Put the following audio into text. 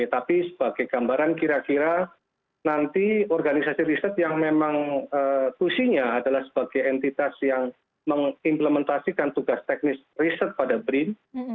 tapi sebagai gambaran kira kira nanti organisasi riset yang memang pusinya adalah sebagai entitas yang mengimplementasikan tugas teknis riset pada brin